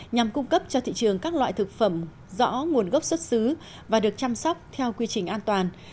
nhằm cung cấp cho thị trường các loại thực phẩm rõ nguồn gốc xuất xứ và được chăm sóc theo quy trình an toàn